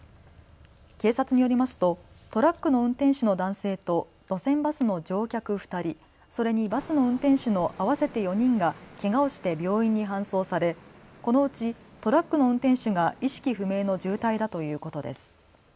警察によりますとトラックの運転手の男性と路線バスの乗客２人、それにバスの運転手の合わせて４人がけがをして病院に搬送され、このうちトラックの運転手が意識不明の重体だということです。